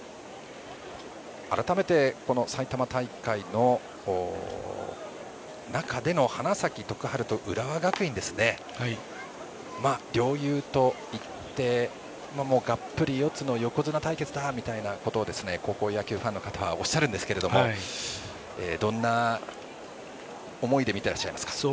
改めて、埼玉大会の中での花咲徳栄と浦和学院両雄といってがっぷり四つの横綱対決だということを高校野球ファンの方はおっしゃるんですがどんな思いでみていらっしゃいますか。